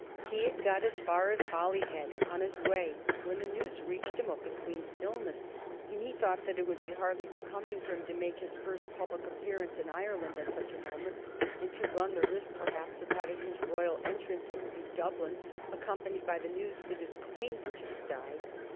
He had got as far as Holyhead on his way when the news reached him of the Queen's illness, and he thought that it would be hardly becoming for him to make his first public appearance in Ireland at such a moment, and to run the risk, perhaps, of having his royal entrance into Dublin accompanied by the news that his Queen had just died.